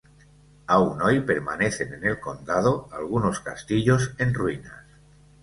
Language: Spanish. Aún hoy permanecen en el condado algunos castillos en ruinas.